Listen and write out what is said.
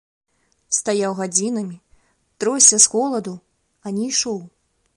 Стаяў гадзінамі, тросся з холаду, а не ішоў.